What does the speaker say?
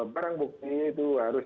barang bukti itu harus